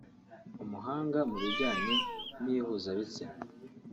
umuhanga mu bijyanye n’ihuzabitsina